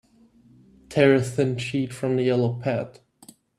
Tear a thin sheet from the yellow pad.